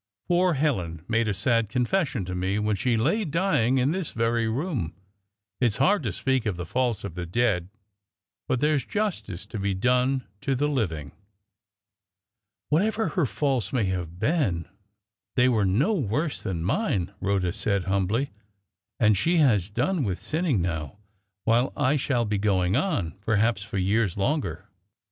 Poor Helen made a sad confession to me when she lay dying in this very room. It's hard to speak of the faults of the dead; but there's justice to be done to the living." "Whatever her faults may have been, they were no worse than mine," Rhoda said, humbly; "and she has done with sinning now, while I shall be going on perhaps for years longer."